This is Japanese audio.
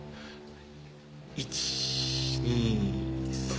１２３。